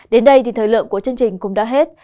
đến đây thì thời lượng của chương trình cũng đã hết